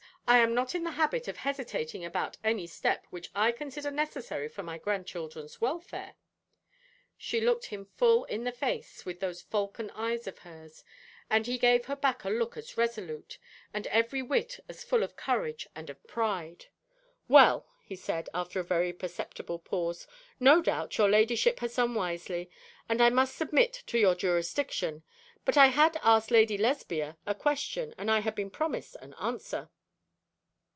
I am not in the habit of hesitating about any step which I consider necessary for my grandchildren's welfare.' She looked him full in the face, with those falcon eyes of hers; and he gave her back a look as resolute, and every whit as full of courage and of pride. 'Well,' he said, after a very perceptible pause, 'no doubt your ladyship has done wisely, and I must submit to your jurisdiction. But I had asked Lady Lesbia a question, and I had been promised an answer.'